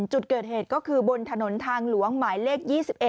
จุดเกิดเหตุก็คือบนถนนทางหลวงหมายเลข๒๑